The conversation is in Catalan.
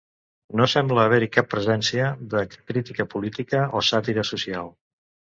No sembla haver-hi cap presència de crítica política o sàtira social.